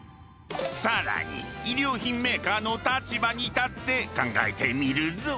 更に衣料品メーカーの立場に立って考えてみるぞ。